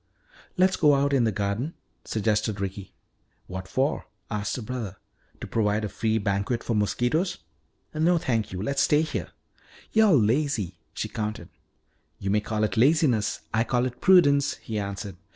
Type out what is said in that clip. "Let's go out in the garden," suggested Ricky. "What for?" asked her brother. "To provide a free banquet for mosquitoes? No, thank you, let's stay here." "You're lazy," she countered. "You may call it laziness; I call it prudence," he answered.